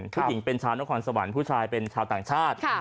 ผู้หญิงเป็นชาวนครสวรรค์ผู้ชายเป็นชาวต่างชาติ